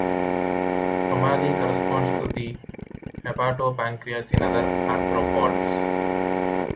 Tomalley corresponds to the hepatopancreas in other arthropods.